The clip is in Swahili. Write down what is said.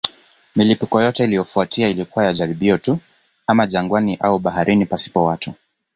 Milipuko yote iliyofuata ilikuwa ya jaribio tu, ama jangwani au baharini pasipo watu.